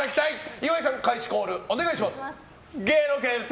岩井さん開始コールお願いします。